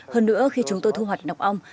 hơn nữa khi chúng tôi thu hoạch nọc ong